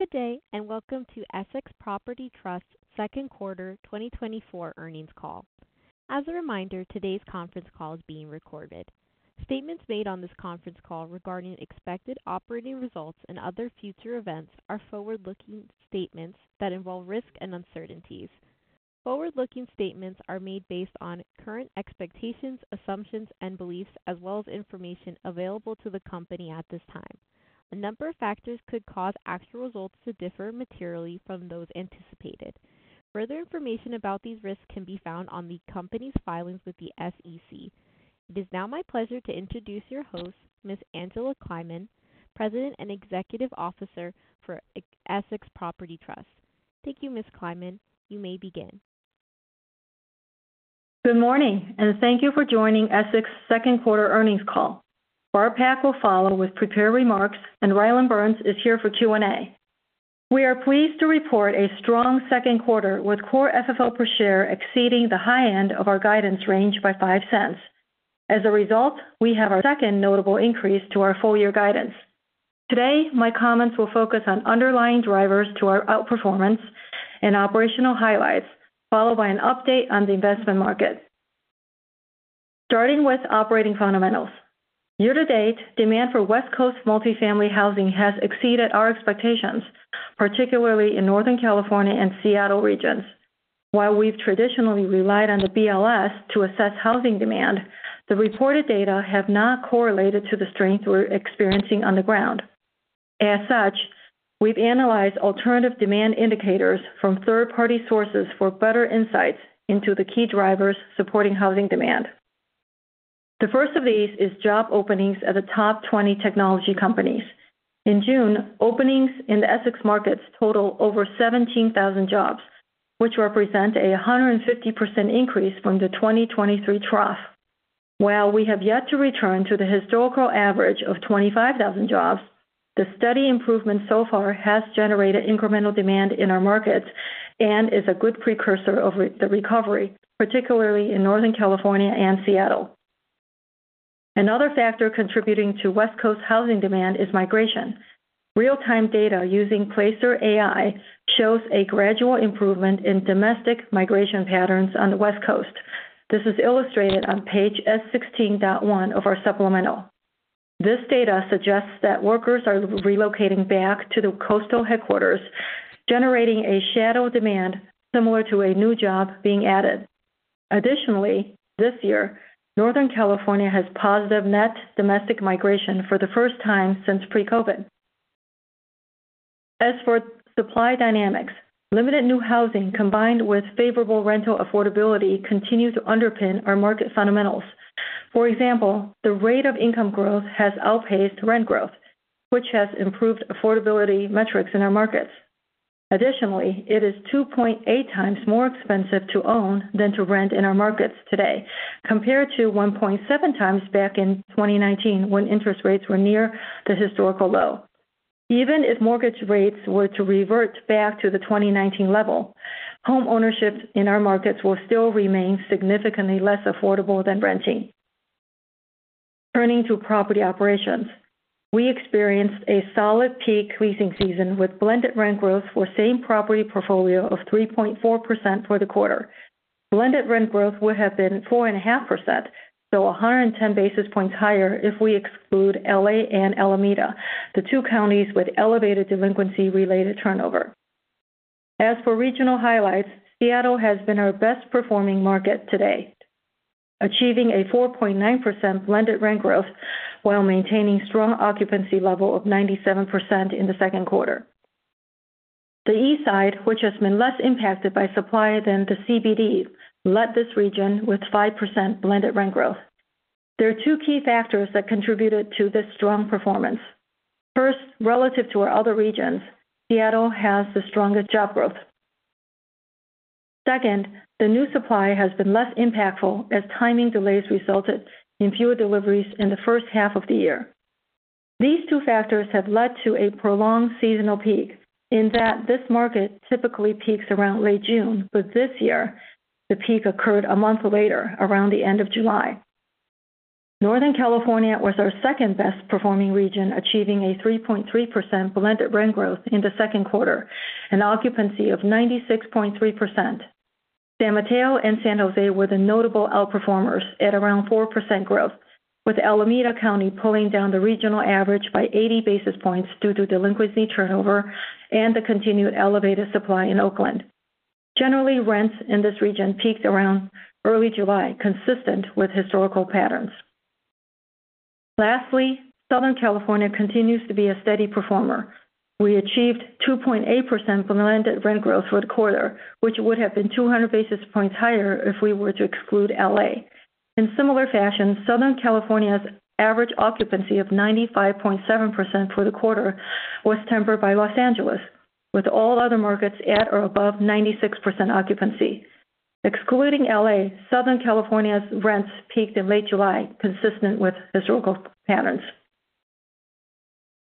Good day, and welcome to Essex Property Trust's second quarter 2024 earnings call. As a reminder, today's conference call is being recorded. Statements made on this conference call regarding expected operating results and other future events are forward-looking statements that involve risk and uncertainties. Forward-looking statements are made based on current expectations, assumptions, and beliefs, as well as information available to the company at this time. A number of factors could cause actual results to differ materially from those anticipated. Further information about these risks can be found on the company's filings with the SEC. It is now my pleasure to introduce your host, Ms. Angela Kleiman, President and Chief Executive Officer for Essex Property Trust. Thank you, Ms. Kleiman. You may begin. Good morning, and thank you for joining Essex's second quarter earnings call. Barb Pak will follow with prepared remarks, and Rylan Burns is here for Q&A. We are pleased to report a strong second quarter with Core FFO per share exceeding the high end of our guidance range by $0.05. As a result, we have our second notable increase to our full-year guidance. Today, my comments will focus on underlying drivers to our outperformance and operational highlights, followed by an update on the investment market. Starting with operating fundamentals. Year to date, demand for West Coast multifamily housing has exceeded our expectations, particularly in Northern California and Seattle regions. While we've traditionally relied on the BLS to assess housing demand, the reported data have not correlated to the strength we're experiencing on the ground. As such, we've analyzed alternative demand indicators from third-party sources for better insights into the key drivers supporting housing demand. The first of these is job openings at the top 20 technology companies. In June, openings in the Essex markets total over 17,000 jobs, which represent a 150% increase from the 2023 trough. While we have yet to return to the historical average of 25,000 jobs, the steady improvement so far has generated incremental demand in our markets and is a good precursor of the recovery, particularly in Northern California and Seattle. Another factor contributing to West Coast housing demand is migration. Real-time data using Placer.ai shows a gradual improvement in domestic migration patterns on the West Coast. This is illustrated on page S16.1 of our supplemental. This data suggests that workers are relocating back to the coastal headquarters, generating a shadow demand similar to a new job being added. Additionally, this year, Northern California has positive net domestic migration for the first time since pre-COVID. As for supply dynamics, limited new housing combined with favorable rental affordability continue to underpin our market fundamentals. For example, the rate of income growth has outpaced rent growth, which has improved affordability metrics in our markets. Additionally, it is 2.8 times more expensive to own than to rent in our markets today, compared to 1.7 times back in 2019 when interest rates were near the historical low. Even if mortgage rates were to revert back to the 2019 level, home ownership in our markets will still remain significantly less affordable than renting. Turning to property operations, we experienced a solid peak leasing season with blended rent growth for the same property portfolio of 3.4% for the quarter. Blended rent growth would have been 4.5%, so 110 basis points higher if we exclude LA and Alameda, the two counties with elevated delinquency-related turnover. As for regional highlights, Seattle has been our best-performing market today, achieving a 4.9% blended rent growth while maintaining a strong occupancy level of 97% in the second quarter. The Eastside, which has been less impacted by supply than the CBD, led this region with 5% blended rent growth. There are two key factors that contributed to this strong performance. First, relative to our other regions, Seattle has the strongest job growth. Second, the new supply has been less impactful as timing delays resulted in fewer deliveries in the first half of the year. These two factors have led to a prolonged seasonal peak in that this market typically peaks around late June, but this year, the peak occurred a month later, around the end of July. Northern California was our second-best-performing region, achieving a 3.3% blended rent growth in the second quarter, an occupancy of 96.3%. San Mateo and San Jose were the notable outperformers at around 4% growth, with Alameda County pulling down the regional average by 80 basis points due to delinquency turnover and the continued elevated supply in Oakland. Generally, rents in this region peaked around early July, consistent with historical patterns. Lastly, Southern California continues to be a steady performer. We achieved 2.8% blended rent growth for the quarter, which would have been 200 basis points higher if we were to exclude LA. In similar fashion, Southern California's average occupancy of 95.7% for the quarter was tempered by Los Angeles, with all other markets at or above 96% occupancy. Excluding L.A., Southern California's rents peaked in late July, consistent with historical patterns.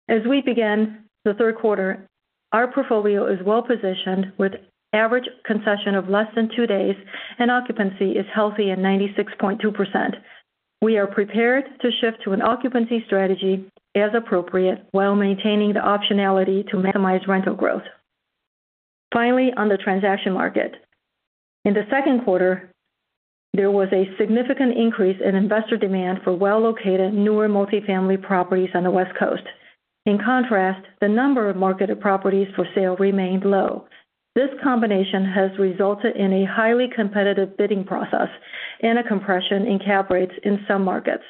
As we begin the third quarter, our portfolio is well-positioned with an average concession of less than two days, and occupancy is healthy at 96.2%. We are prepared to shift to an occupancy strategy as appropriate, while maintaining the optionality to maximize rental growth. Finally, on the transaction market, in the second quarter, there was a significant increase in investor demand for well-located, newer multifamily properties on the West Coast. In contrast, the number of marketed properties for sale remained low. This combination has resulted in a highly competitive bidding process and a compression in cap rates in some markets.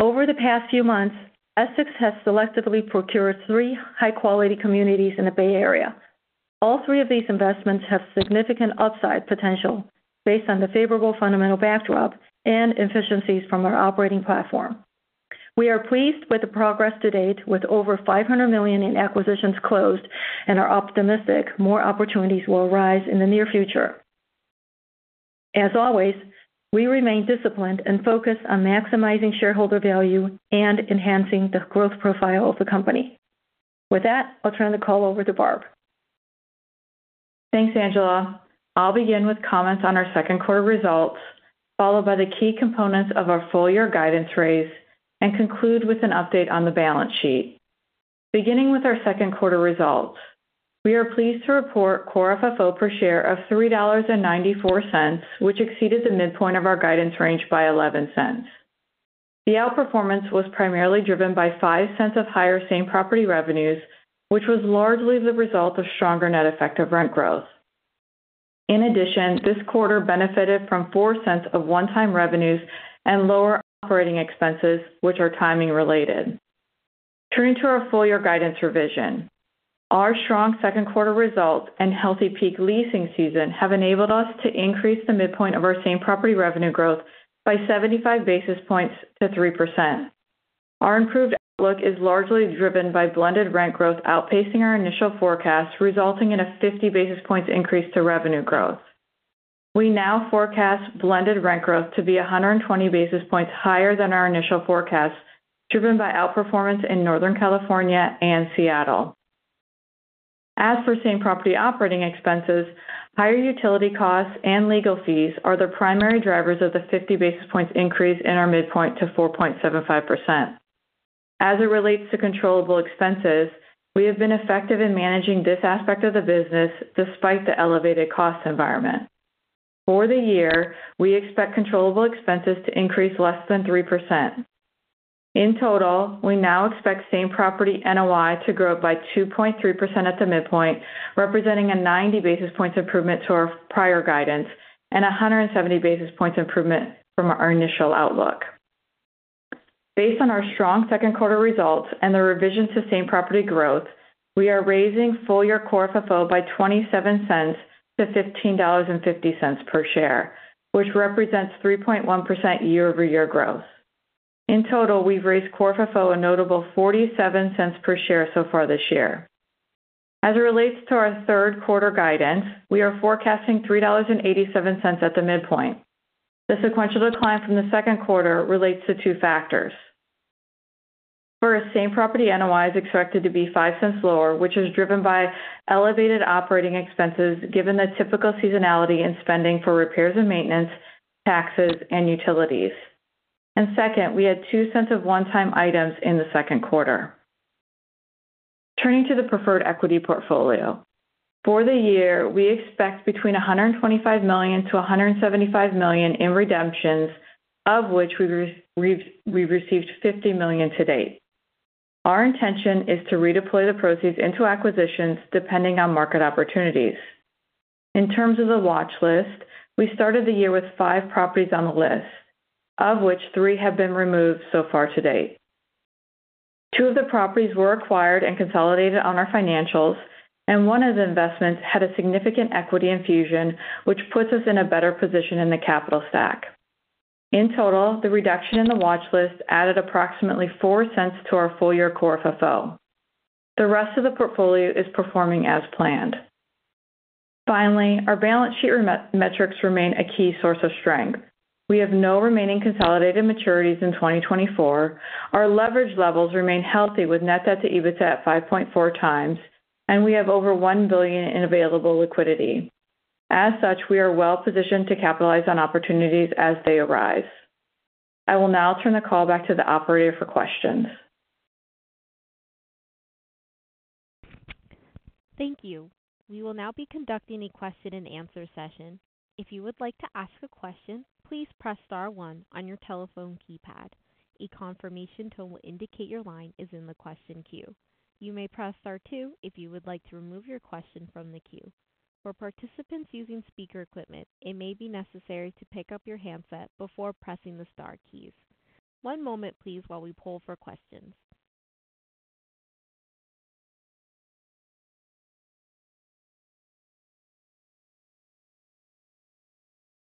Over the past few months, Essex has selectively procured three high-quality communities in the Bay Area. All three of these investments have significant upside potential based on the favorable fundamental backdrop and efficiencies from our operating platform. We are pleased with the progress to date, with over $500 million in acquisitions closed, and are optimistic more opportunities will arise in the near future. As always, we remain disciplined and focused on maximizing shareholder value and enhancing the growth profile of the company. With that, I'll turn the call over to Barb. Thanks, Angela. I'll begin with comments on our second quarter results, followed by the key components of our full-year guidance raise, and conclude with an update on the balance sheet. Beginning with our second quarter results, we are pleased to report Core FFO per share of $3.94, which exceeded the midpoint of our guidance range by $0.11. The outperformance was primarily driven by $0.05 of higher same-property revenues, which was largely the result of stronger net effective rent growth. In addition, this quarter benefited from $0.04 of one-time revenues and lower operating expenses, which are timing-related. Turning to our full-year guidance revision, our strong second quarter results and healthy peak leasing season have enabled us to increase the midpoint of our same-property revenue growth by 75 basis points to 3%. Our improved outlook is largely driven by blended rent growth outpacing our initial forecast, resulting in a 50 basis points increase to revenue growth. We now forecast blended rent growth to be 120 basis points higher than our initial forecast, driven by outperformance in Northern California and Seattle. As for same-property operating expenses, higher utility costs and legal fees are the primary drivers of the 50 basis points increase in our midpoint to 4.75%. As it relates to controllable expenses, we have been effective in managing this aspect of the business despite the elevated cost environment. For the year, we expect controllable expenses to increase less than 3%. In total, we now expect same-property NOI to grow by 2.3% at the midpoint, representing a 90 basis points improvement to our prior guidance and 170 basis points improvement from our initial outlook. Based on our strong second quarter results and the revision to same-property growth, we are raising full-year core FFO by $0.27 to $15.50 per share, which represents 3.1% year-over-year growth. In total, we've raised core FFO a notable $0.47 per share so far this year. As it relates to our third quarter guidance, we are forecasting $3.87 at the midpoint. The sequential decline from the second quarter relates to two factors. First, same-property NOI is expected to be $0.05 lower, which is driven by elevated operating expenses given the typical seasonality in spending for repairs and maintenance, taxes, and utilities. And second, we had $0.02 of one-time items in the second quarter. Turning to the preferred equity portfolio, for the year, we expect between $125 million-$175 million in redemptions, of which we've received $50 million to date. Our intention is to redeploy the proceeds into acquisitions depending on market opportunities. In terms of the watchlist, we started the year with five properties on the list, of which three have been removed so far to date. Two of the properties were acquired and consolidated on our financials, and one of the investments had a significant equity infusion, which puts us in a better position in the capital stack. In total, the reduction in the watchlist added approximately $0.04 to our full-year Core FFO. The rest of the portfolio is performing as planned. Finally, our balance sheet metrics remain a key source of strength. We have no remaining consolidated maturities in 2024. Our leverage levels remain healthy with net debt to EBITDA at 5.4x, and we have over $1 billion in available liquidity. As such, we are well-positioned to capitalize on opportunities as they arise. I will now turn the call back to the operator for questions. Thank you. We will now be conducting a question-and-answer session. If you would like to ask a question, please press star one on your telephone keypad. A confirmation tone will indicate your line is in the question queue. You may press star two if you would like to remove your question from the queue. For participants using speaker equipment, it may be necessary to pick up your handset before pressing the star keys. One moment, please, while we pull for questions.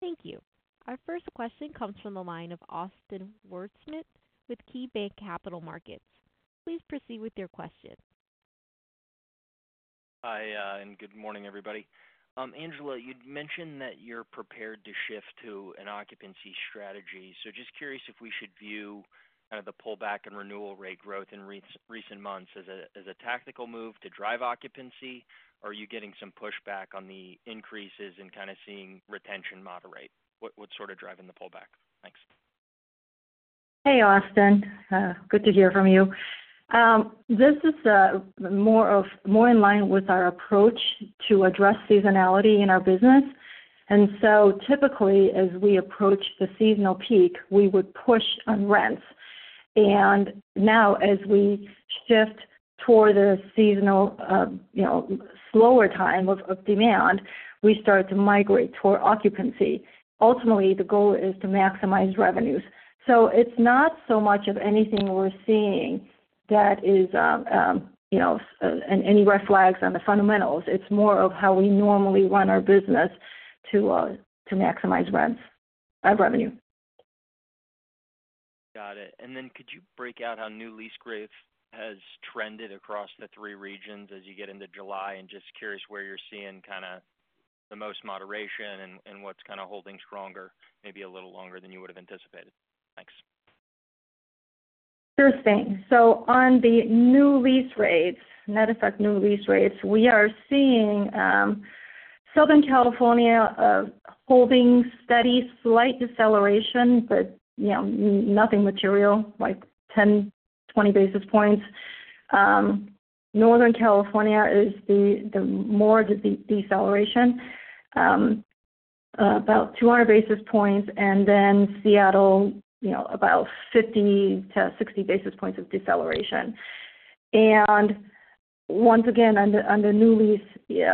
Thank you. Our first question comes from the line of Austin Wurschmidt with KeyBanc Capital Markets. Please proceed with your question. Hi, and good morning, everybody. Angela, you'd mentioned that you're prepared to shift to an occupancy strategy. So just curious if we should view kind of the pullback in renewal rate growth in recent months as a tactical move to drive occupancy, or are you getting some pushback on the increases and kind of seeing retention moderate? What's sort of driving the pullback? Thanks. Hey, Austin. Good to hear from you. This is more in line with our approach to address seasonality in our business. And so typically, as we approach the seasonal peak, we would push on rents. And now, as we shift toward the seasonal slower time of demand, we start to migrate toward occupancy. Ultimately, the goal is to maximize revenues. So it's not so much of anything we're seeing that is any red flags on the fundamentals. It's more of how we normally run our business to maximize revenue. Got it. And then could you break out how new lease growth has trended across the three regions as you get into July? And just curious where you're seeing kind of the most moderation and what's kind of holding stronger, maybe a little longer than you would have anticipated. Thanks. Interesting. So on the new lease rates, net effect new lease rates, we are seeing Southern California holding steady slight deceleration, but nothing material, like 10, 20 basis points. Northern California is the more deceleration, about 200 basis points. And then Seattle, about 50-60 basis points of deceleration. And once again, under new lease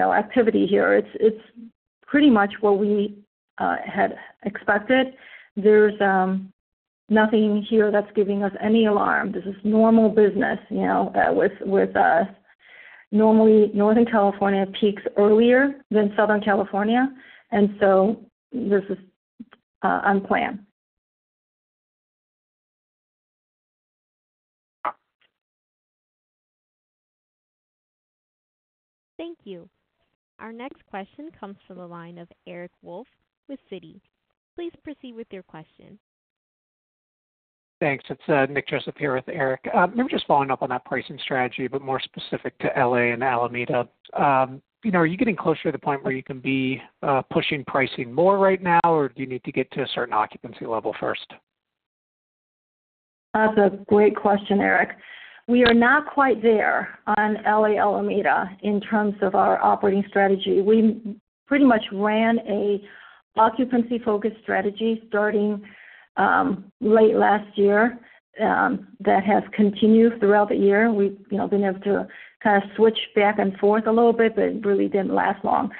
activity here, it's pretty much what we had expected. There's nothing here that's giving us any alarm. This is normal business with us. Normally, Northern California peaks earlier than Southern California, and so this is unplanned. Thank you. Our next question comes from the line of Eric Wolfe with Citi. Please proceed with your question. Thanks. It's Nick Joseph here with Eric. Maybe just following up on that pricing strategy, but more specific to L.A. and Alameda. Are you getting closer to the point where you can be pushing pricing more right now, or do you need to get to a certain occupancy level first? That's a great question, Eric. We are not quite there on LA/Alameda in terms of our operating strategy. We pretty much ran an occupancy-focused strategy starting late last year that has continued throughout the year. We've been able to kind of switch back and forth a little bit, but it really didn't last long.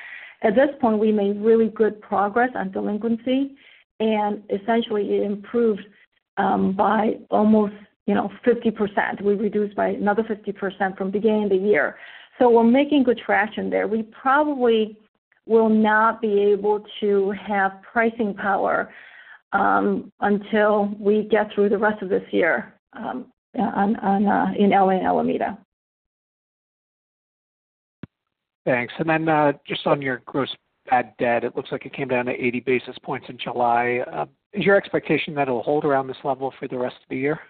At this point, we made really good progress on delinquency, and essentially, it improved by almost 50%. We reduced by another 50% from the beginning of the year. So we're making good traction there. We probably will not be able to have pricing power until we get through the rest of this year in LA/Alameda. Thanks. And then just on your gross bad debt, it looks like it came down to 80 basis points in July. Is your expectation that it'll hold around this level for the rest of the year?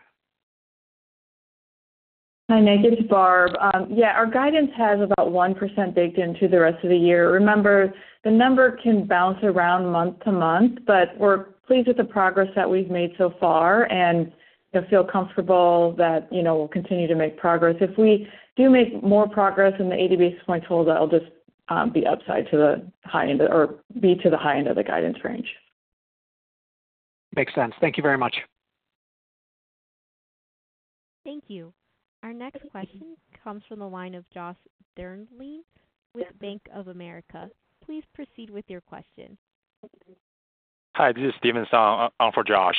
Hi, Nick. This is Barb. Yeah, our guidance has about 1% baked into the rest of the year. Remember, the number can bounce around month-to-month, but we're pleased with the progress that we've made so far and feel comfortable that we'll continue to make progress. If we do make more progress and the 80 basis points hold, that'll just be upside to the high end or be to the high end of the guidance range. Makes sense. Thank you very much. Thank you. Our next question comes from the line of Joshua Dennerlein with Bank of America. Please proceed with your question. Hi, this is Stephen Song for Josh.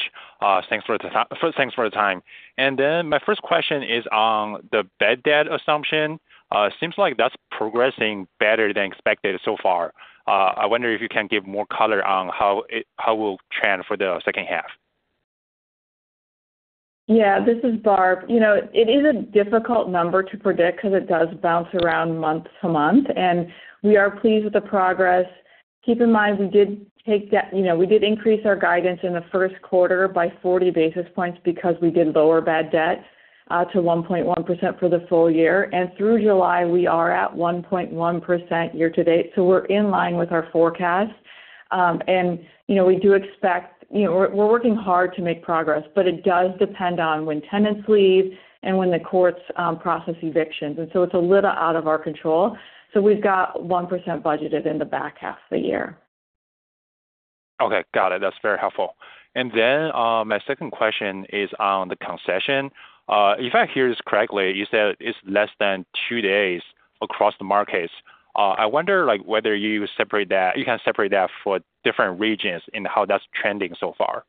Thanks for the time. Then my first question is on the bad debt assumption. It seems like that's progressing better than expected so far. I wonder if you can give more color on how it will trend for the second half. Yeah, this is Barb. It is a difficult number to predict because it does bounce around month to month, and we are pleased with the progress. Keep in mind, we did take that we did increase our guidance in the first quarter by 40 basis points because we did lower bad debt to 1.1% for the full year. Through July, we are at 1.1% year to date. So we're in line with our forecast. We do expect we're working hard to make progress, but it does depend on when tenants leave and when the courts process evictions. So it's a little out of our control. So we've got 1% budgeted in the back half of the year. Okay. Got it. That's very helpful. And then my second question is on the concession. If I hear this correctly, you said it's less than two days across the markets. I wonder whether you can separate that for different regions and how that's trending so far.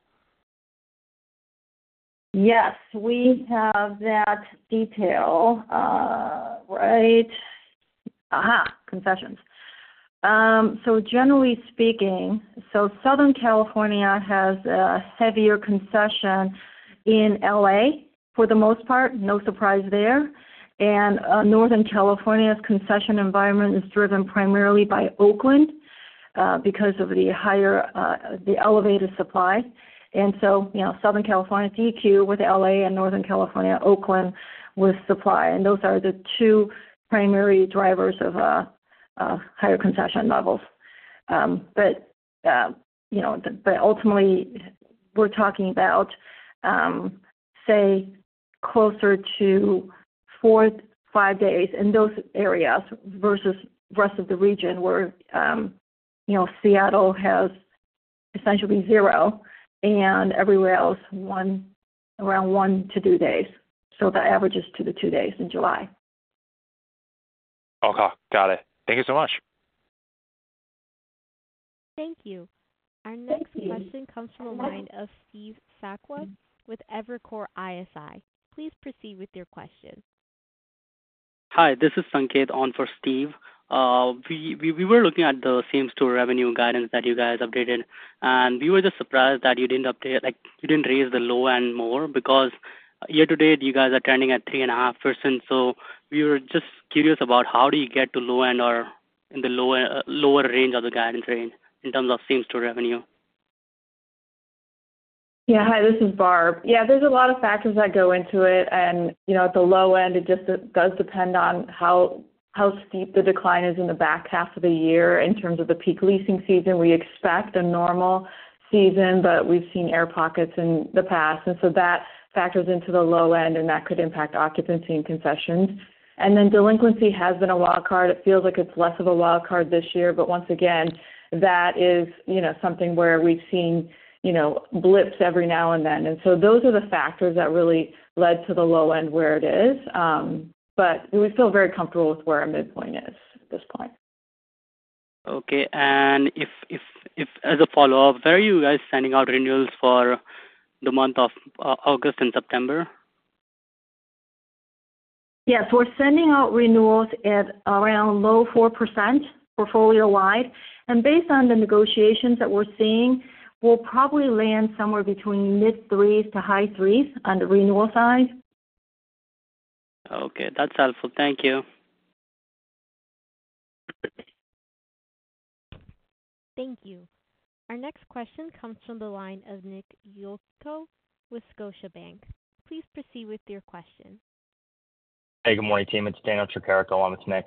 Yes, we have that detail, right? Aha, concessions. So generally speaking, Southern California has a heavier concession in LA for the most part, no surprise there. And Northern California's concession environment is driven primarily by Oakland because of the elevated supply. And so Southern California's EQ with LA and Northern California Oakland with supply. And those are the two primary drivers of higher concession levels. But ultimately, we're talking about, say, closer to 4-5 days in those areas versus the rest of the region where Seattle has essentially zero and everywhere else around 1-2 days. So the average is to the 2 days in July. Okay. Got it. Thank you so much. Thank you. Our next question comes from a line of Steve Sakwa with Evercore ISI. Please proceed with your question. Hi, this is Sanket Agrawal for Steve Sakwa. We were looking at the same store revenue guidance that you guys updated, and we were just surprised that you didn't raise the low end more because year to date, you guys are trending at 3.5%. So we were just curious about how do you get to low end or in the lower range of the guidance range in terms of same store revenue? Yeah. Hi, this is Barb. Yeah, there's a lot of factors that go into it. And at the low end, it just does depend on how steep the decline is in the back half of the year in terms of the peak leasing season. We expect a normal season, but we've seen air pockets in the past. And so that factors into the low end, and that could impact occupancy and concessions. And then delinquency has been a wild card. It feels like it's less of a wild card this year, but once again, that is something where we've seen blips every now and then. And so those are the factors that really led to the low end where it is. But we feel very comfortable with where our midpoint is at this point. Okay. As a follow-up, where are you guys sending out renewals for the month of August and September? Yes, we're sending out renewals at around low 4% portfolio-wide. Based on the negotiations that we're seeing, we'll probably land somewhere between mid-threes to high threes on the renewal side. Okay. That's helpful. Thank you. Thank you. Our next question comes from the line of Nick Yulico with Scotiabank. Please proceed with your question. Hey, good morning, team. It's Daniel Koelsch. Along with Nick.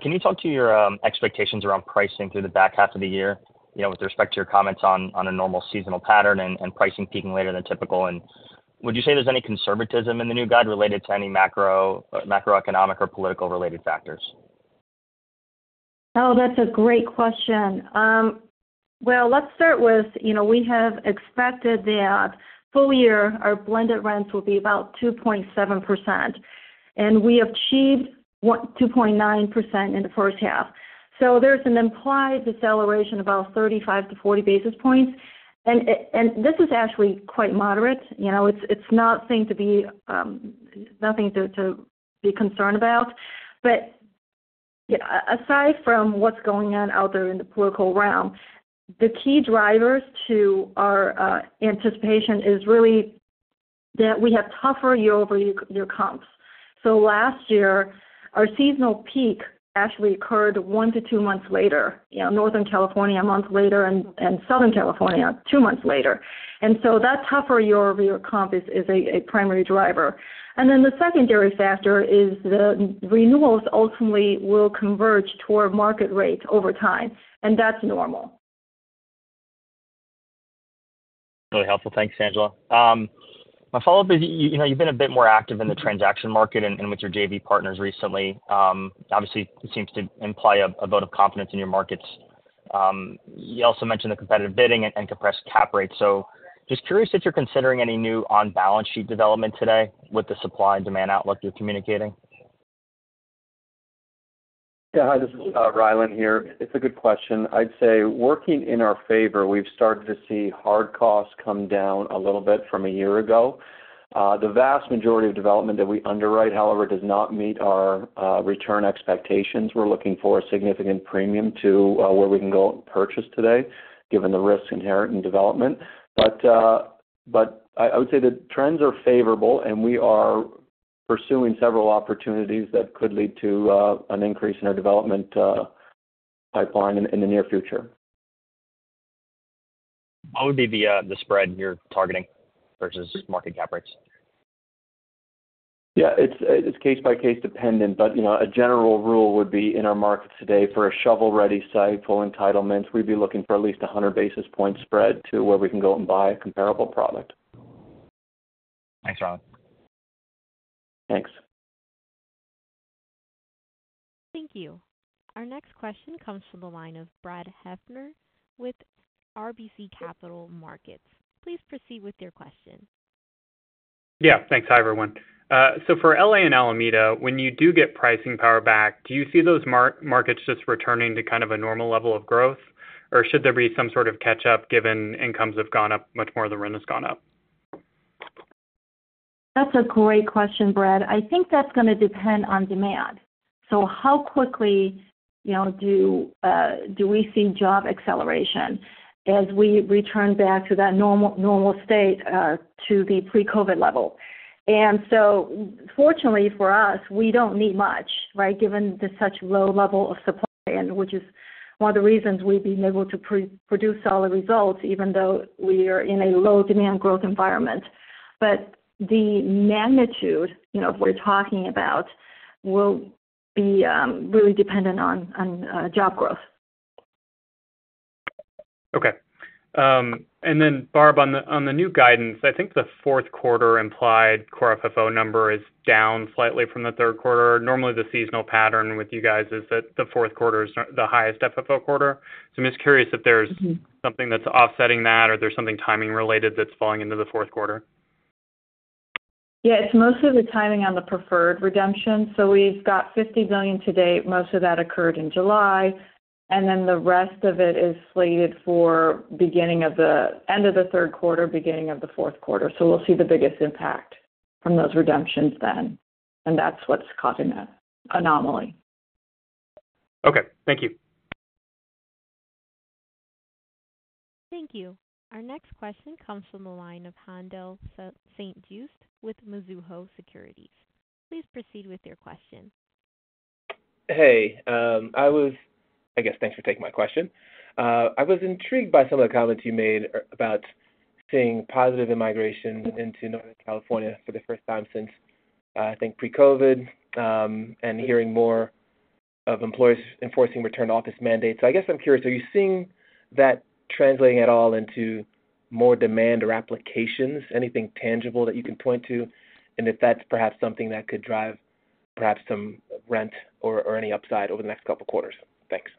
Can you talk to your expectations around pricing through the back half of the year with respect to your comments on a normal seasonal pattern and pricing peaking later than typical? And would you say there's any conservatism in the new guide related to any macroeconomic or political-related factors? Oh, that's a great question. Well, let's start with we have expected that full year, our blended rents will be about 2.7%. And we achieved 2.9% in the first half. So there's an implied deceleration of about 35-40 basis points. And this is actually quite moderate. It's not nothing to be concerned about. But aside from what's going on out there in the political realm, the key drivers to our anticipation is really that we have tougher year-over-year comps. So last year, our seasonal peak actually occurred 1-2 months later, Northern California 1 month later, and Southern California 2 months later. And so that tougher year-over-year comp is a primary driver. And then the secondary factor is the renewals ultimately will converge toward market rate over time, and that's normal. Really helpful. Thanks, Angela. My follow-up is you've been a bit more active in the transaction market and with your JV partners recently. Obviously, it seems to imply a vote of confidence in your markets. You also mentioned the competitive bidding and compressed cap rate. So just curious if you're considering any new on-balance sheet development today with the supply and demand outlook you're communicating? Yeah, hi. This is Rylan here. It's a good question. I'd say working in our favor, we've started to see hard costs come down a little bit from a year ago. The vast majority of development that we underwrite, however, does not meet our return expectations. We're looking for a significant premium to where we can go and purchase today, given the risk inherent in development. But I would say the trends are favorable, and we are pursuing several opportunities that could lead to an increase in our development pipeline in the near future. What would be the spread you're targeting versus market cap rates? Yeah, it's case-by-case dependent, but a general rule would be in our markets today, for a shovel-ready site full entitlement, we'd be looking for at least 100 basis points spread to where we can go and buy a comparable product. Thanks, Rylan. Thanks. Thank you. Our next question comes from the line of Brad Heffern with RBC Capital Markets. Please proceed with your question. Yeah. Thanks. Hi, everyone. So for LA and Alameda, when you do get pricing power back, do you see those markets just returning to kind of a normal level of growth, or should there be some sort of catch-up given incomes have gone up, much more of the rent has gone up? That's a great question, Brad. I think that's going to depend on demand. So how quickly do we see job acceleration as we return back to that normal state to the pre-COVID level? And so fortunately for us, we don't need much, right, given the such low level of supply, which is one of the reasons we've been able to produce all the results, even though we are in a low-demand growth environment. But the magnitude we're talking about will be really dependent on job growth. Okay. And then, Barb, on the new guidance, I think the fourth quarter implied Core FFO number is down slightly from the third quarter. Normally, the seasonal pattern with you guys is that the fourth quarter is the highest FFO quarter. So I'm just curious if there's something that's offsetting that or there's something timing-related that's falling into the fourth quarter. Yeah, it's mostly the timing on the preferred redemption. So we've got $50 billion to date. Most of that occurred in July. And then the rest of it is slated for end of the third quarter, beginning of the fourth quarter. So we'll see the biggest impact from those redemptions then. And that's what's causing that anomaly. Okay. Thank you. Thank you. Our next question comes from the line of Haendel St. Juste with Mizuho Securities. Please proceed with your question. Hey. I guess thanks for taking my question. I was intrigued by some of the comments you made about seeing positive migration into Northern California for the first time since, I think, pre-COVID and hearing more of employers enforcing return-to-office mandates. So I guess I'm curious, are you seeing that translating at all into more demand or applications, anything tangible that you can point to, and if that's perhaps something that could drive perhaps some rent or any upside over the next couple of quarters? Thanks.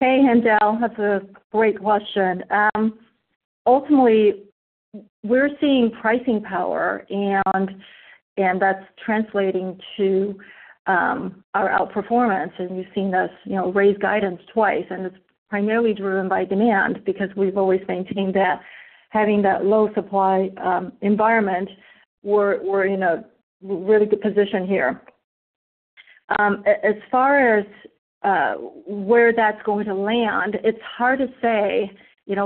Hey, Haendel. That's a great question. Ultimately, we're seeing pricing power, and that's translating to our outperformance. You've seen us raise guidance twice. It's primarily driven by demand because we've always maintained that having that low supply environment, we're in a really good position here. As far as where that's going to land, it's hard to say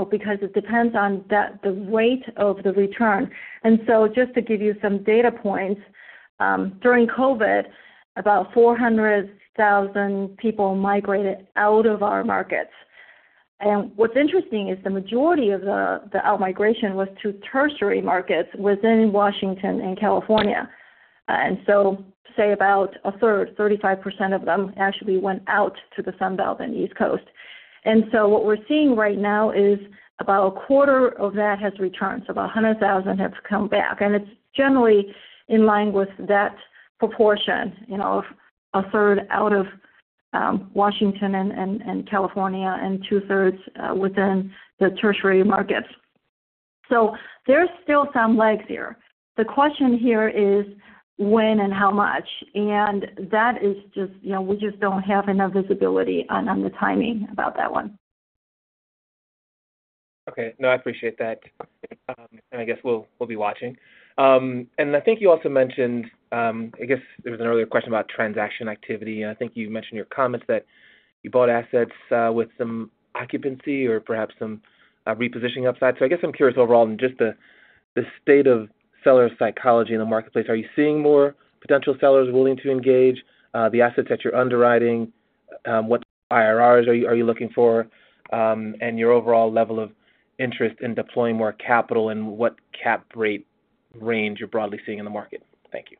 because it depends on the rate of the return. So just to give you some data points, during COVID, about 400,000 people migrated out of our markets. What's interesting is the majority of the out-migration was to tertiary markets within Washington and California. So say about a third, 35% of them actually went out to the Sunbelt and East Coast. What we're seeing right now is about a quarter of that has returned. So about 100,000 have come back. And it's generally in line with that proportion of a third out of Washington and California and two-thirds within the tertiary markets. So there's still some legs here. The question here is when and how much. And that is just we just don't have enough visibility on the timing about that one. Okay. No, I appreciate that. And I guess we'll be watching. And I think you also mentioned I guess there was an earlier question about transaction activity. And I think you mentioned in your comments that you bought assets with some occupancy or perhaps some repositioning upside. So I guess I'm curious overall in just the state of seller psychology in the marketplace. Are you seeing more potential sellers willing to engage the assets that you're underwriting? What IRRs are you looking for? And your overall level of interest in deploying more capital and what cap rate range you're broadly seeing in the market? Thank you.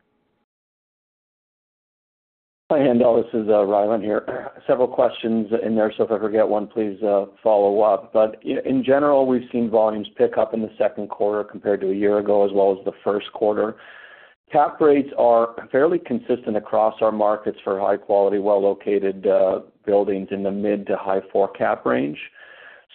Hi, Haendel. This is Rylan here. Several questions in there. So if I forget one, please follow up. But in general, we've seen volumes pick up in the second quarter compared to a year ago as well as the first quarter. Cap rates are fairly consistent across our markets for high-quality, well-located buildings in the mid- to high-4 cap range.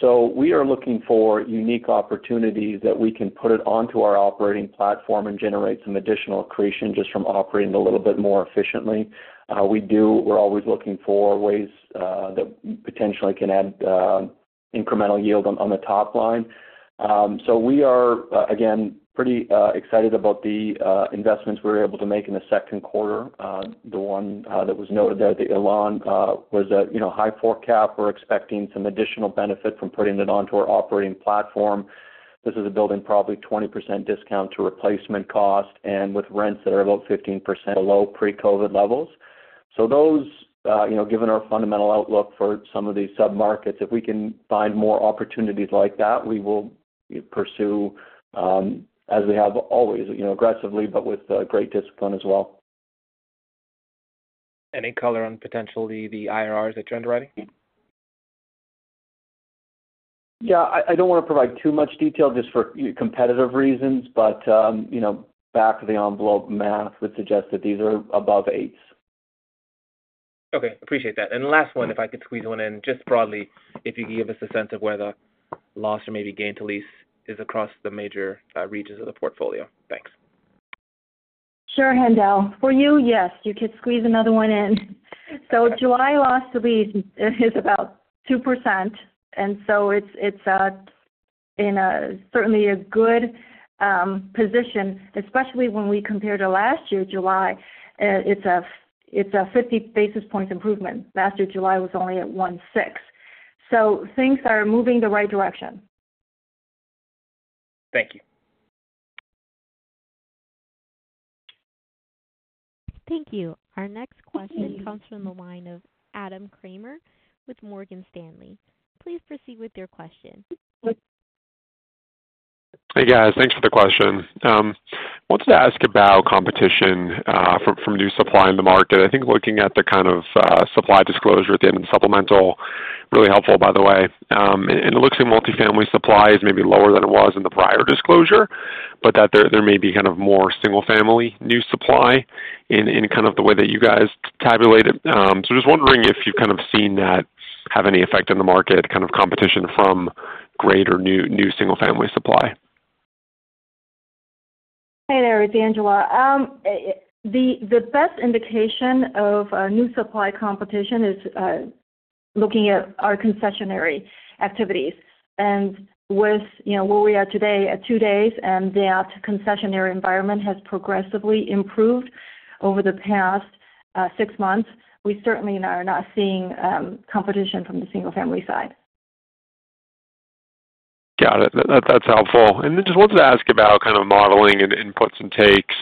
So we are looking for unique opportunities that we can put it onto our operating platform and generate some additional accretion just from operating a little bit more efficiently. We're always looking for ways that potentially can add incremental yield on the top line. So we are, again, pretty excited about the investments we were able to make in the second quarter. The one that was noted there, the Elan, was a high-4 cap. We're expecting some additional benefit from putting it onto our operating platform. This is a building probably 20% discount to replacement cost and with rents that are about 15% below pre-COVID levels. So those, given our fundamental outlook for some of these sub-markets, if we can find more opportunities like that, we will pursue as we have always, aggressively, but with great discipline as well. Any color on potentially the IRRs that you're underwriting? Yeah. I don't want to provide too much detail just for competitive reasons, but back of the envelope math would suggest that these are above 8s. Okay. Appreciate that. Last one, if I could squeeze one in, just broadly, if you can give us a sense of whether loss or maybe gain to lease is across the major regions of the portfolio. Thanks. Sure, Haendel. For you, yes. You could squeeze another one in. So July loss to lease is about 2%. And so it's certainly a good position, especially when we compare to last year, July. It's a 50 basis points improvement. Last year, July was only at 1.6. So things are moving the right direction. Thank you. Thank you. Our next question comes from the line of Adam Kramer with Morgan Stanley. Please proceed with your question. Hey, guys. Thanks for the question. Wanted to ask about competition from new supply in the market. I think looking at the kind of supply disclosure at the end of the supplemental, really helpful, by the way. And it looks like multifamily supply is maybe lower than it was in the prior disclosure, but that there may be kind of more single-family new supply in kind of the way that you guys tabulate it. So just wondering if you've kind of seen that have any effect on the market, kind of competition from greater new single-family supply. Hey there. It's Angela. The best indication of new supply competition is looking at our concessionary activities. With where we are today at 2 days and that concessionary environment has progressively improved over the past 6 months, we certainly are not seeing competition from the single-family side. Got it. That's helpful. And then just wanted to ask about kind of modeling and inputs and takes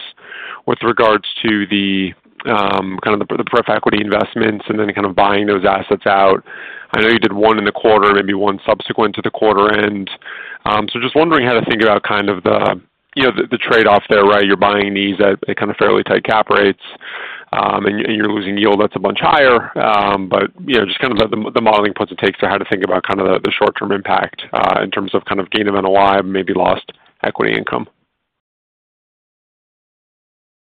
with regards to kind of the preferred equity investments and then kind of buying those assets out. I know you did one in the quarter, maybe one subsequent to the quarter end. So just wondering how to think about kind of the trade-off there, right? You're buying these at kind of fairly tight cap rates, and you're losing yield that's a bunch higher. But just kind of the modeling and puts and takes or how to think about kind of the short-term impact in terms of kind of gain of NOI, maybe lost equity income.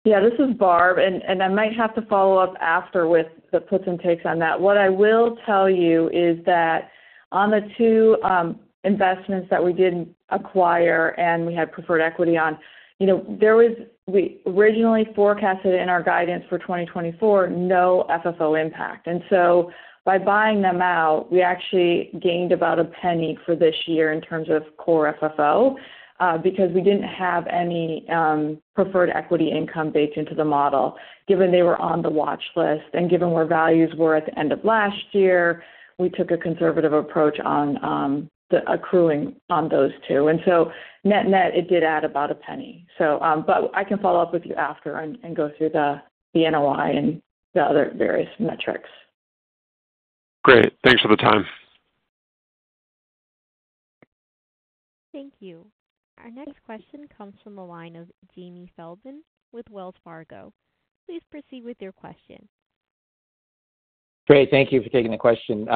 Yeah, this is Barb. I might have to follow up after with the puts and takes on that. What I will tell you is that on the 2 investments that we did acquire and we had preferred equity on, there was originally forecasted in our guidance for 2024, no FFO impact. So by buying them out, we actually gained about $0.01 for this year in terms of core FFO because we didn't have any preferred equity income baked into the model, given they were on the watch list. Given where values were at the end of last year, we took a conservative approach on the accruing on those 2. So net-net, it did add about $0.01. But I can follow up with you after and go through the NOI and the other various metrics. Great. Thanks for the time. Thank you. Our next question comes from the line of Jamie Feldman with Wells Fargo. Please proceed with your question. Great. Thank you for taking the question.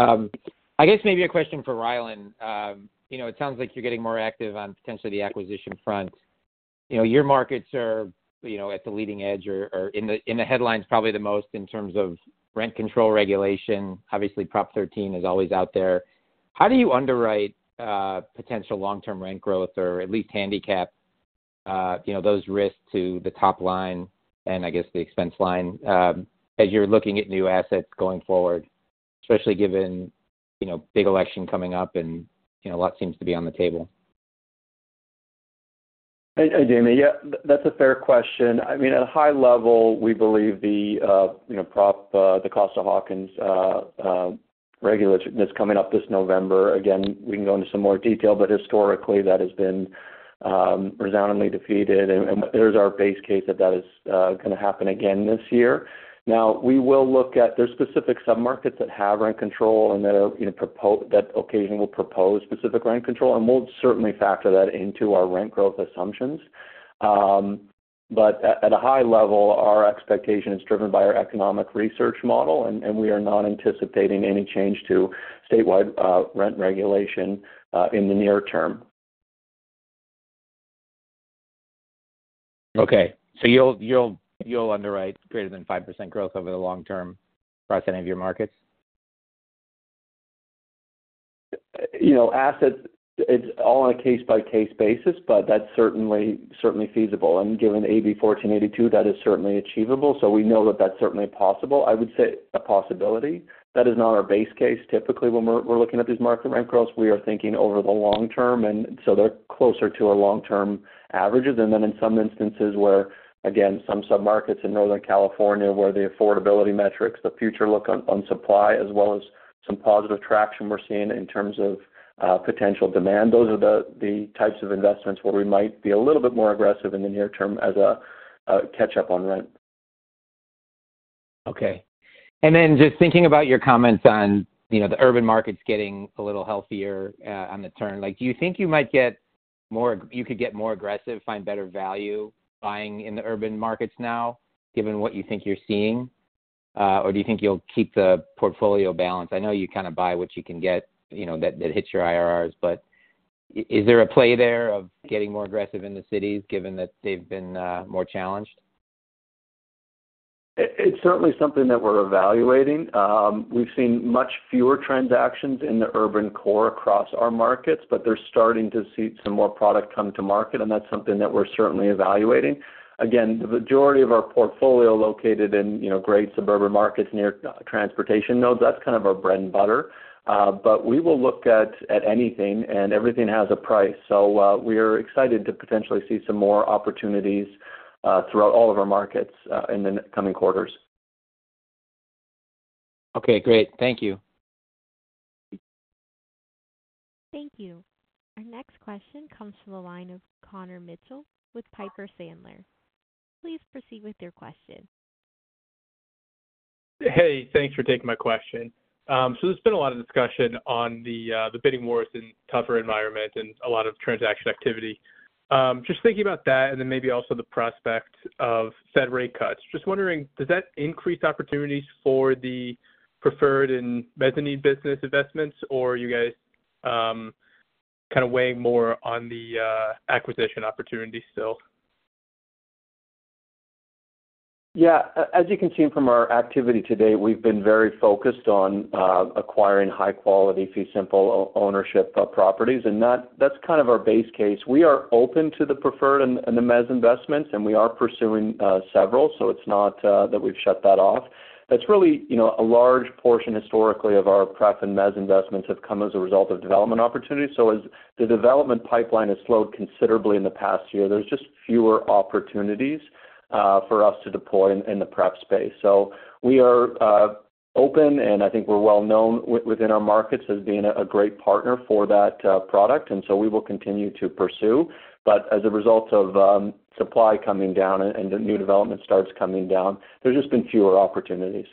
I guess maybe a question for Rylan. It sounds like you're getting more active on potentially the acquisition front. Your markets are at the leading edge or in the headlines probably the most in terms of rent control regulation. Obviously, Prop 13 is always out there. How do you underwrite potential long-term rent growth or at least handicap those risks to the top line and I guess the expense line as you're looking at new assets going forward, especially given big election coming up and a lot seems to be on the table? Hey, Jamie. Yeah, that's a fair question. I mean, at a high level, we believe the Prop, the Costa-Hawkins regulation that's coming up this November, again, we can go into some more detail, but historically, that has been resoundingly defeated. And there's our base case that that is going to happen again this year. Now, we will look at. There's specific sub-markets that have rent control and that occasionally will propose specific rent control. And we'll certainly factor that into our rent growth assumptions. But at a high level, our expectation is driven by our economic research model, and we are not anticipating any change to statewide rent regulation in the near term. Okay. So you'll underwrite greater than 5% growth over the long term across any of your markets? Assets, it's all on a case-by-case basis, but that's certainly feasible. And given AB 1482, that is certainly achievable. So we know that that's certainly possible. I would say a possibility. That is not our base case. Typically, when we're looking at these market rent growth, we are thinking over the long term. And so they're closer to our long-term averages. And then in some instances where, again, some sub-markets in Northern California where the affordability metrics, the future look on supply, as well as some positive traction we're seeing in terms of potential demand, those are the types of investments where we might be a little bit more aggressive in the near term as a catch-up on rent. Okay. And then just thinking about your comments on the urban markets getting a little healthier on the turn, do you think you might get more you could get more aggressive, find better value buying in the urban markets now, given what you think you're seeing? Or do you think you'll keep the portfolio balance? I know you kind of buy what you can get that hits your IRRs, but is there a play there of getting more aggressive in the cities given that they've been more challenged? It's certainly something that we're evaluating. We've seen much fewer transactions in the urban core across our markets, but they're starting to see some more product come to market. That's something that we're certainly evaluating. Again, the majority of our portfolio located in great suburban markets near transportation nodes, that's kind of our bread and butter. But we will look at anything, and everything has a price. So we are excited to potentially see some more opportunities throughout all of our markets in the coming quarters. Okay. Great. Thank you. Thank you. Our next question comes from the line of Connor Mitchell with Piper Sandler. Please proceed with your question. Hey, thanks for taking my question. There's been a lot of discussion on the bidding wars in a tougher environment and a lot of transaction activity. Just thinking about that and then maybe also the prospect of Fed rate cuts. Just wondering, does that increase opportunities for the preferred and mezzanine business investments, or are you guys kind of weighing more on the acquisition opportunity still? Yeah. As you can see from our activity today, we've been very focused on acquiring high-quality, fee-simple ownership properties. That's kind of our base case. We are open to the preferred and the mezz investments, and we are pursuing several. It's not that we've shut that off. That's really a large portion historically of our pref and mezz investments have come as a result of development opportunities. As the development pipeline has slowed considerably in the past year, there's just fewer opportunities for us to deploy in the pref space. We are open, and I think we're well-known within our markets as being a great partner for that product. So we will continue to pursue. As a result of supply coming down and new development starts coming down, there's just been fewer opportunities.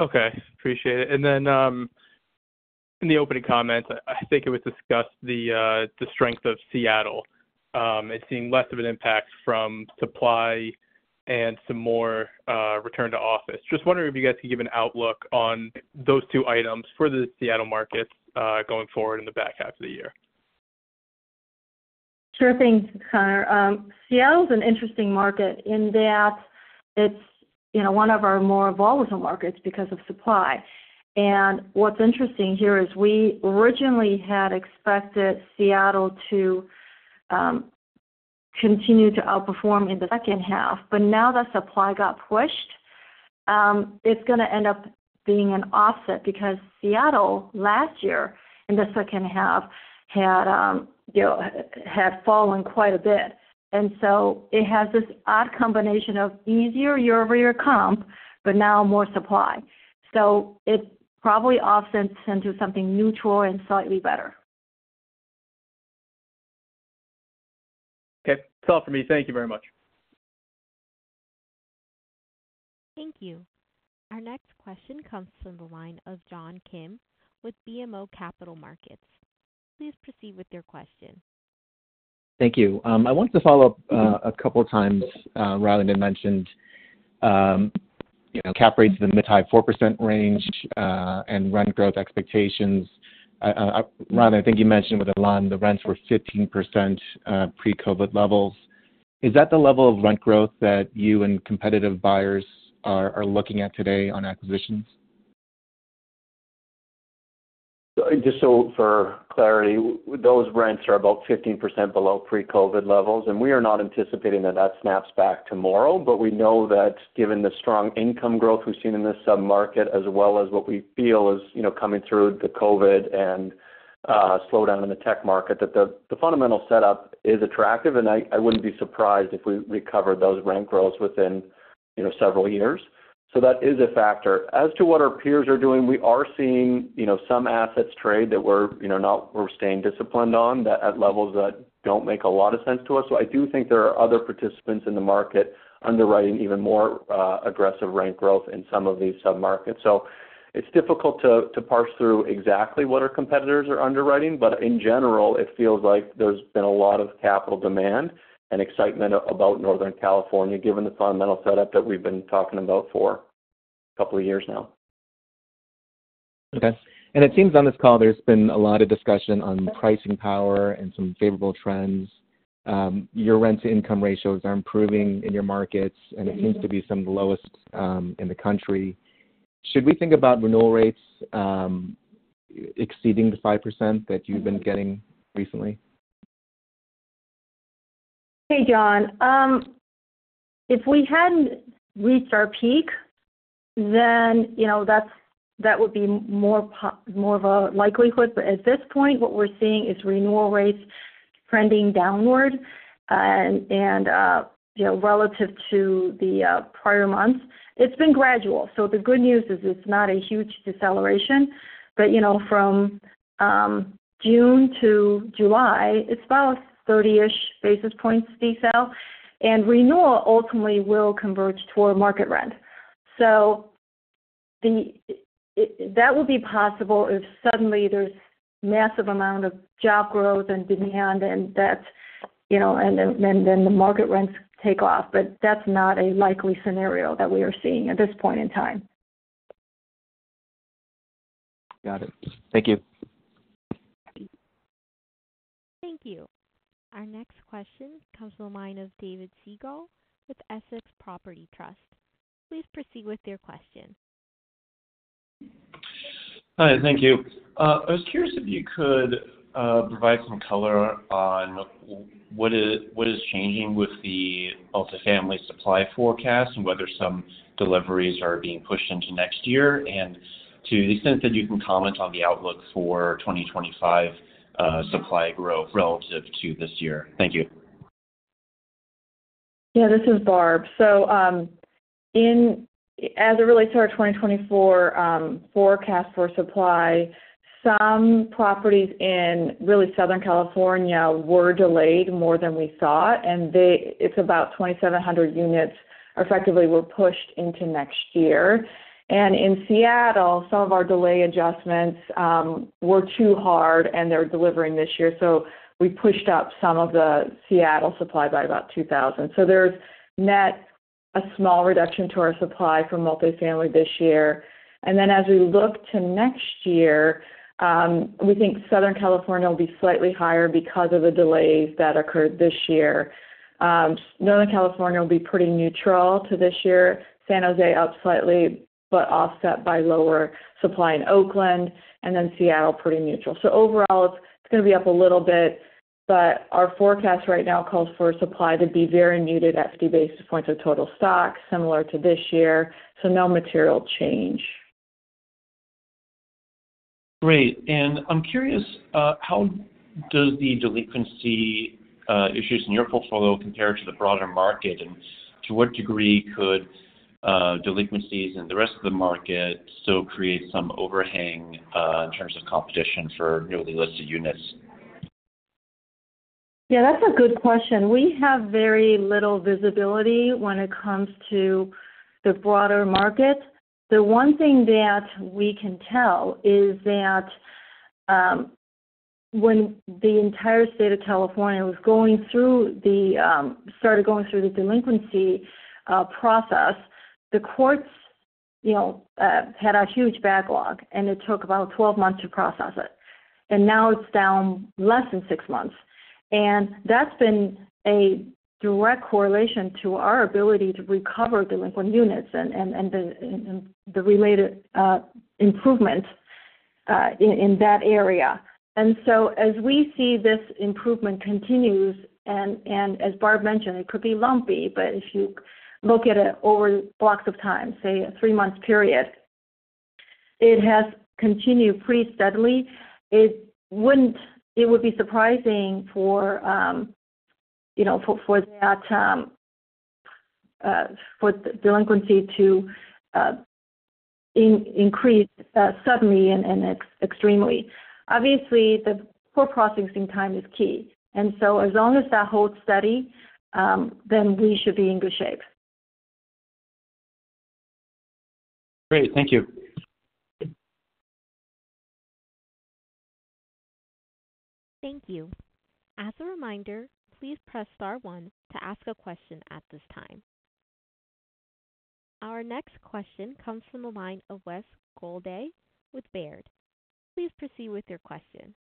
Okay. Appreciate it. And then in the opening comments, I think it was discussed the strength of Seattle and seeing less of an impact from supply and some more return to office. Just wondering if you guys can give an outlook on those two items for the Seattle markets going forward in the back half of the year? Sure thing, Connor. Seattle is an interesting market in that it's one of our more volatile markets because of supply. And what's interesting here is we originally had expected Seattle to continue to outperform in the second half. But now that supply got pushed, it's going to end up being an offset because Seattle last year in the second half had fallen quite a bit. And so it has this odd combination of easier year-over-year comp, but now more supply. So it probably offsets into something neutral and slightly better. Okay. That's all for me. Thank you very much. Thank you. Our next question comes from the line of John Kim with BMO Capital Markets. Please proceed with your question. Thank you. I wanted to follow up a couple of times. Rylan had mentioned cap rates in the mid-to-high 4% range and rent growth expectations. Rylan, I think you mentioned with the line, the rents were 15% pre-COVID levels. Is that the level of rent growth that you and competitive buyers are looking at today on acquisitions? Just so for clarity, those rents are about 15% below pre-COVID levels. We are not anticipating that that snaps back tomorrow. We know that given the strong income growth we've seen in this sub-market, as well as what we feel is coming through the COVID and slowdown in the tech market, that the fundamental setup is attractive. I wouldn't be surprised if we recover those rent growths within several years. That is a factor. As to what our peers are doing, we are seeing some assets trade that we're staying disciplined on at levels that don't make a lot of sense to us. I do think there are other participants in the market underwriting even more aggressive rent growth in some of these sub-markets. It's difficult to parse through exactly what our competitors are underwriting. But in general, it feels like there's been a lot of capital demand and excitement about Northern California given the fundamental setup that we've been talking about for a couple of years now. Okay. And it seems on this call there's been a lot of discussion on pricing power and some favorable trends. Your rent-to-income ratios are improving in your markets, and it seems to be some of the lowest in the country. Should we think about renewal rates exceeding the 5% that you've been getting recently? Hey, John. If we hadn't reached our peak, then that would be more of a likelihood. But at this point, what we're seeing is renewal rates trending downward. And relative to the prior months, it's been gradual. So the good news is it's not a huge deceleration. But from June to July, it's about 30-ish basis points decel. And renewal ultimately will converge toward market rent. So that will be possible if suddenly there's a massive amount of job growth and demand and that, and then the market rents take off. But that's not a likely scenario that we are seeing at this point in time. Got it. Thank you. Thank you. Our next question comes from the line of David Siegel with Essex Property Trust. Please proceed with your question. Hi. Thank you. I was curious if you could provide some color on what is changing with the multi-family supply forecast and whether some deliveries are being pushed into next year and to the extent that you can comment on the outlook for 2025 supply growth relative to this year? Thank you. Yeah, this is Barb. So as it relates to our 2024 forecast for supply, some properties in really Southern California were delayed more than we thought. And it's about 2,700 units effectively were pushed into next year. And in Seattle, some of our delay adjustments were too hard, and they're delivering this year. So we pushed up some of the Seattle supply by about 2,000. So there's net a small reduction to our supply for multi-family this year. And then as we look to next year, we think Southern California will be slightly higher because of the delays that occurred this year. Northern California will be pretty neutral to this year. San Jose up slightly, but offset by lower supply in Oakland. And then Seattle pretty neutral. So overall, it's going to be up a little bit. Our forecast right now calls for supply to be very muted at 50 basis points of total stock, similar to this year. No material change. Great. I'm curious, how does the delinquency issues in your portfolio compare to the broader market? To what degree could delinquencies in the rest of the market still create some overhang in terms of competition for newly listed units? Yeah, that's a good question. We have very little visibility when it comes to the broader market. The one thing that we can tell is that when the entire state of California was going through the delinquency process, the courts had a huge backlog, and it took about 12 months to process it. Now it's down to less than six months. That's been a direct correlation to our ability to recover delinquent units and the related improvement in that area. So as we see this improvement continues, and as Barb mentioned, it could be lumpy, but if you look at it over blocks of time, say a three-month period, it has continued pretty steadily. It would be surprising for that delinquency to increase suddenly and extremely. Obviously, the foreclosure-processing time is key. And so as long as that holds steady, then we should be in good shape. Great. Thank you. Thank you. As a reminder, please press star one to ask a question at this time. Our next question comes from the line of Wes Golladay with Baird. Please proceed with your question.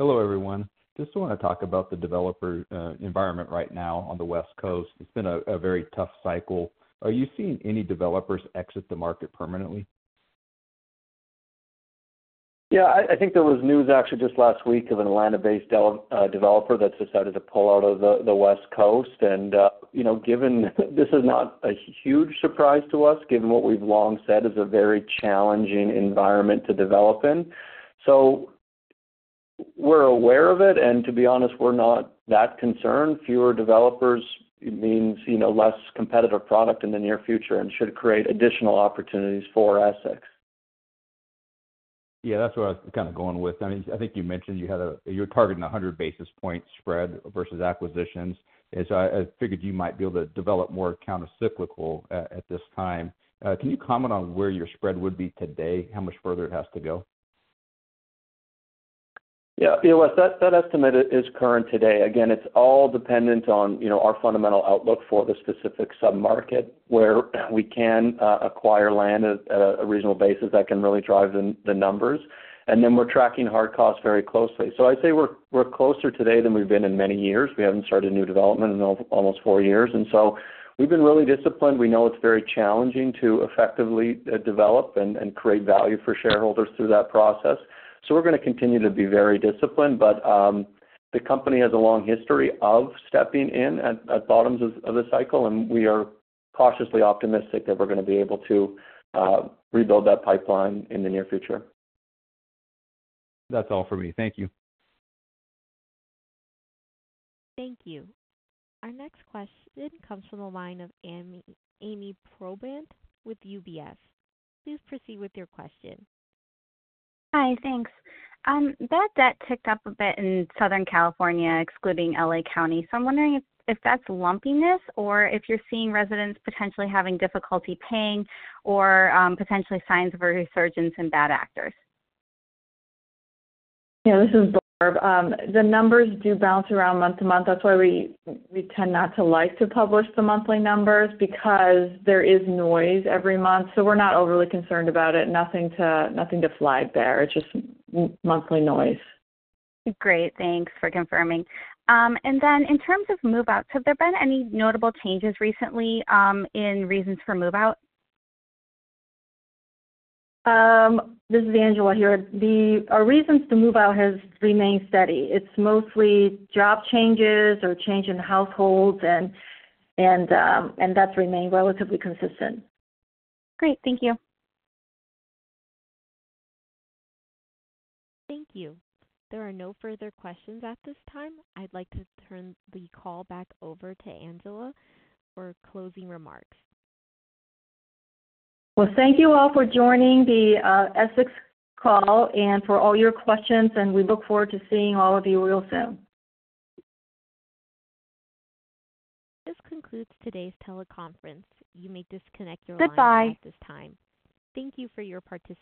Hello, everyone. Just want to talk about the developer environment right now on the West Coast. It's been a very tough cycle. Are you seeing any developers exit the market permanently? Yeah. I think there was news actually just last week of an Atlanta-based developer that decided to pull out of the West Coast. And given this is not a huge surprise to us, given what we've long said is a very challenging environment to develop in. So we're aware of it. And to be honest, we're not that concerned. Fewer developers means less competitive product in the near future and should create additional opportunities for Essex. Yeah, that's where I was kind of going with. I mean, I think you mentioned you're targeting 100 basis points spread versus acquisitions. And so I figured you might be able to develop more countercyclical at this time. Can you comment on where your spread would be today, how much further it has to go? Yeah. Well, that estimate is current today. Again, it's all dependent on our fundamental outlook for the specific sub-market where we can acquire land at a reasonable basis that can really drive the numbers. And then we're tracking hard costs very closely. So I'd say we're closer today than we've been in many years. We haven't started new development in almost 4 years. And so we've been really disciplined. We know it's very challenging to effectively develop and create value for shareholders through that process. So we're going to continue to be very disciplined. But the company has a long history of stepping in at bottoms of the cycle. And we are cautiously optimistic that we're going to be able to rebuild that pipeline in the near future. That's all for me. Thank you. Thank you. Our next question comes from the line of Ami Probandt with UBS. Please proceed with your question. Hi. Thanks. Bad debt ticked up a bit in Southern California, excluding L.A. County. So I'm wondering if that's lumpiness or if you're seeing residents potentially having difficulty paying or potentially signs of a resurgence in bad actors. Yeah, this is Barb. The numbers do bounce around month to month. That's why we tend not to like to publish the monthly numbers because there is noise every month. So we're not overly concerned about it. Nothing to flag there. It's just monthly noise. Great. Thanks for confirming. And then in terms of move-outs, have there been any notable changes recently in reasons for move-out? This is Angela here. Our reasons to move out have remained steady. It's mostly job changes or change in households. That's remained relatively consistent. Great. Thank you. Thank you. There are no further questions at this time. I'd like to turn the call back over to Angela for closing remarks. Well, thank you all for joining the Essex call and for all your questions. We look forward to seeing all of you real soon. This concludes today's teleconference. You may disconnect your lines at this time. Goodbye. Thank you for your participation.